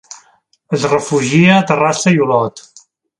Es refugia a Terrassa i Olot.